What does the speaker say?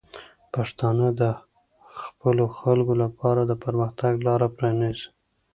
پښتانه د خپلو خلکو لپاره د پرمختګ لاره پرانیزي.